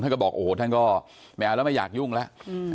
ก็บอกโอ้โหท่านก็ไม่เอาแล้วไม่อยากยุ่งแล้ว